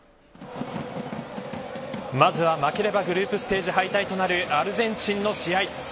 まずは負ければグループステージ敗退となるアルゼンチンの試合。